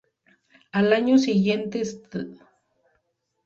Al año siguiente St.